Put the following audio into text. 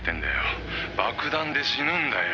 「爆弾で死ぬんだよ」